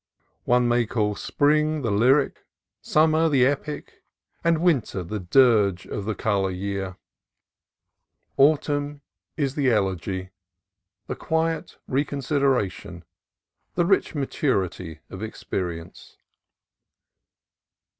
One may call spring the lyric, summer the epic, and winter the dirge of NAVARRO, A DESERTED VILLAGE 275 the color year. Autumn is the elegy, the quiet re consideration, the rich maturity of experience.